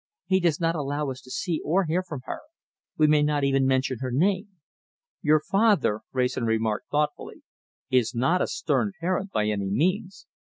He does not allow us to see or hear from her. We may not even mention her name." "Your father," Wrayson remarked thoughtfully, "is not a stern parent by any means."